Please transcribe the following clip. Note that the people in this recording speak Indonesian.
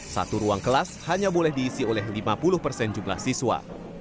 satu ruang kelas hanya boleh diisi oleh lima puluh persen jumlah siswa